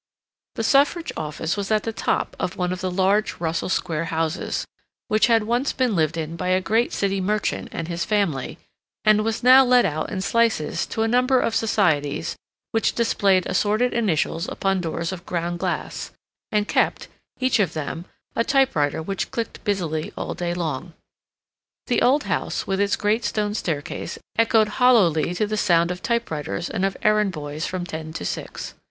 The suffrage office was at the top of one of the large Russell Square houses, which had once been lived in by a great city merchant and his family, and was now let out in slices to a number of societies which displayed assorted initials upon doors of ground glass, and kept, each of them, a typewriter which clicked busily all day long. The old house, with its great stone staircase, echoed hollowly to the sound of typewriters and of errand boys from ten to six.